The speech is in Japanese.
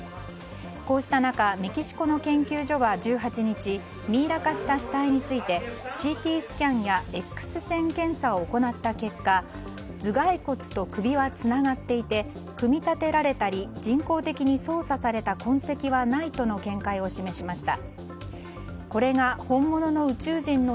こうした中、メキシコの研究所は１８日ミイラ化した死体についてＣＴスキャンやＸ線検査を行った結果頭がい骨と首はつながっていて組み立てられたり、人工的に操作された痕跡はないとの見解を示しました。